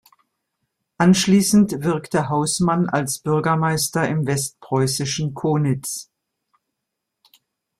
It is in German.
Anschließend wirkte Haußmann als Bürgermeister im westpreußischen Konitz.